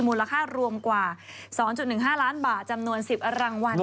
มูลค่ารวมกว่า๒๑๕ล้านบาทจำนวน๑๐รางวัล